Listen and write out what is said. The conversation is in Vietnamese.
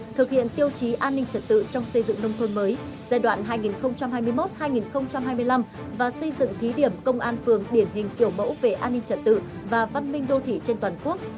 thực hiện tiêu chí an ninh trật tự trong xây dựng nông thôn mới giai đoạn hai nghìn hai mươi một hai nghìn hai mươi năm và xây dựng thí điểm công an phường điển hình kiểu mẫu về an ninh trật tự và văn minh đô thị trên toàn quốc